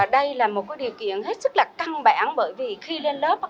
đây là một điều kiện hết sức căng bản bởi vì khi lên lớp có hai yếu tố